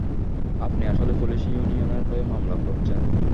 আপনি আসলেই পুলিশ ইউনিয়নের হয়ে মামলা করছেন।